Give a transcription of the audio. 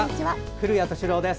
古谷敏郎です。